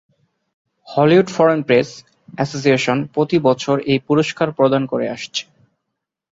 Hollywood foreign press association প্রতি বছর এই পুরস্কার প্রদান করে আসছে।